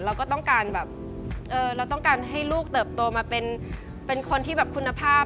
เราก็ต้องการให้ลูกเติบโตมาเป็นคนที่คุณภาพ